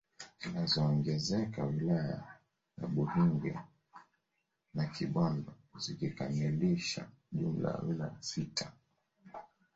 Zinaongezeka wilaya za Buhingwe na Kibondo zikikamilisha jumla ya wilaya sita